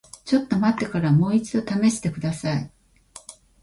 ちょっと待ってからもう一度試してください。